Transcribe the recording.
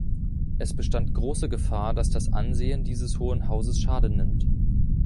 Es bestand große Gefahr, dass das Ansehen dieses Hohen Hauses Schaden nimmt.